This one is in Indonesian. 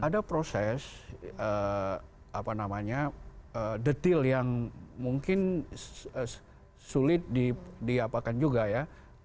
ada proses detail yang mungkin sulit diapakan juga ya